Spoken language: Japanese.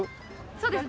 そうです。